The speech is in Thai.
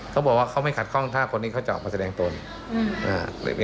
เขาบอกว่าเขาไม่ขัดข้องถ้าคนนี้เขาจะออกมาแสดงตน